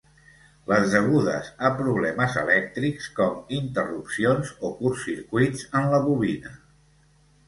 Les degudes a problemes elèctrics, com interrupcions o curtcircuits en la bobina.